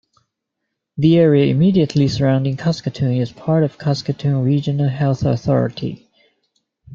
The area immediately surrounding Saskatoon is part of the Saskatoon Regional Health Authority.